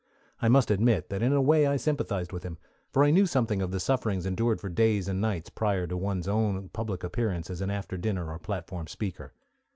I must admit that in a way I sympathized with him; for I knew something of the sufferings endured for days and nights prior to one's own public appearance as an after dinner or platform speaker.